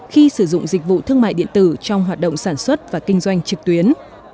khi sử dụng dịch vụ thương mại điện tử trong hoạt động sản xuất và kinh doanh trực tuyến